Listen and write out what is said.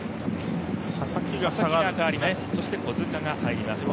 佐々木が代わって小塚が入ります。